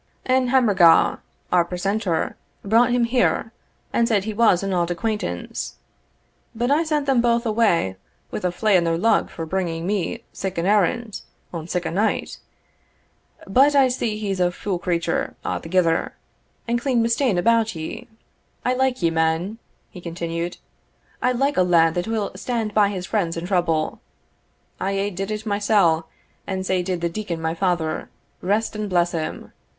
Ane Hammorgaw, our precentor, brought him here, and said he was an auld acquaintance; but I sent them both away wi' a flae in their lug for bringing me sic an errand, on sic a night. But I see he's a fule creature a'thegither, and clean mistaen about ye. I like ye, man," he continued; "I like a lad that will stand by his friends in trouble I aye did it mysell, and sae did the deacon my father, rest and bless him!